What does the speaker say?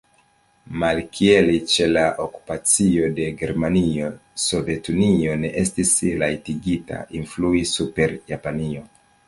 Malkiel ĉe la Okupacio de Germanio, Sovetunio ne estis rajtigita influi super Japanio.